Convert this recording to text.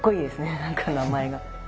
何か名前が。